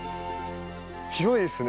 広いですね。